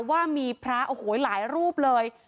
ว่ามีพระโอ้โหหลายรูปเลย